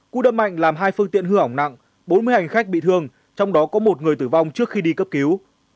cú đâm mạnh làm hai phương tiện hư hỏng nặng bốn mươi hành khách bị thương trong đó có một người tử vong trước khi đi cấp cứu